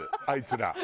あいつら。